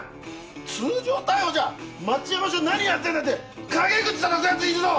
通常逮捕じゃ町山署何やってんだって陰口たたくヤツいるぞ！